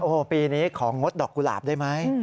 โอ้โหปีนี้ของงดดอกกุหลาบได้ไหม